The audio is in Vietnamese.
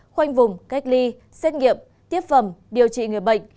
khoanh vùng cách ly xét nghiệm tiếp phẩm điều trị người bệnh